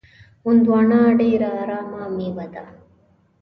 هندوانه ډېره ارامه میوه ده.